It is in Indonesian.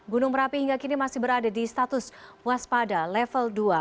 gunung merapi hingga kini masih berada di status waspada level dua